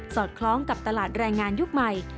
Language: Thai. อดคล้องกับตลาดแรงงานยุคใหม่